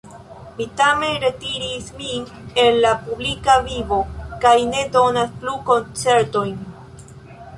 Mi tamen retiris min el la publika vivo kaj ne donas plu koncertojn.